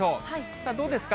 さあ、どうですか？